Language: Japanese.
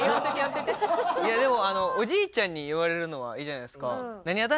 でもおじいちゃんに言われるのはいいじゃないですか。